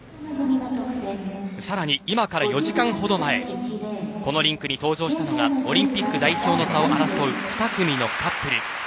さらに、今から４時間ほど前このリンクに登場したのがオリンピック代表の座を争う２組のカップル。